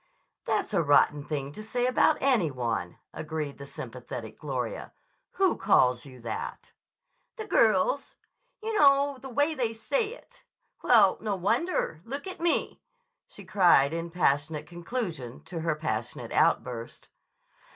"That's a rotten thing to say about any one," agreed the sympathetic Gloria. "Who calls you that?" "The girls. You know the way they say it! Well, no wonder. Look at me!" she cried in passionate conclusion to her passionate outburst.